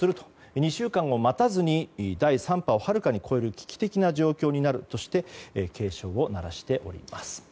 ２週間を待たずに第３波をはるかに超える危機的な状況になるとして警鐘を鳴らしております。